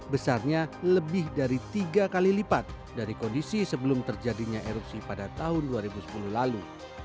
besarnya lebih dari tiga kali lipat dari kondisi sebelum terjadinya erupsi pada tahun dua ribu sepuluh lalu